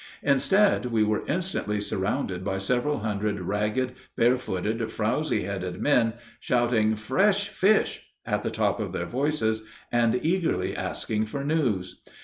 Instead, we were instantly surrounded by several hundred ragged, barefooted, frowzy headed men shouting "Fresh fish!" at the top of their voices and eagerly asking for news.